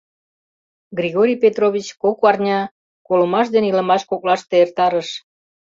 Григорий Петрович кок арня колымаш ден илымаш коклаште эртарыш.